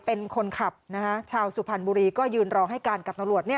เป็นคนขับชาวสุภัณฑ์บุรีก็ยืนร้องให้การกับนรวด